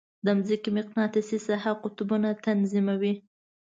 د مځکې مقناطیسي ساحه قطبونه تنظیموي.